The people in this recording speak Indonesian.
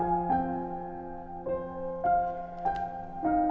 amir kasihan parkurnya